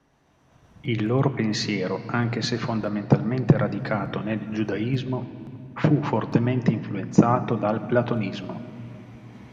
Il loro pensiero, anche se fondamentalmente radicato nel Giudaismo, fu fortemente influenzato dal Platonismo.